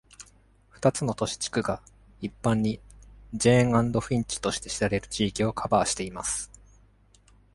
二つの都市地区が、一般に「ジェーン・アンド・フィンチ」として知られている地域をカバーしています。